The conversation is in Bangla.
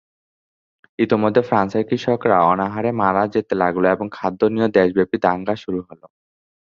ইতিমধ্যে ফ্রান্সের কৃষকরা অনাহারে মারা যেতে লাগল এবং খাদ্য নিয়ে দেশব্যাপী দাঙ্গা শুরু হল।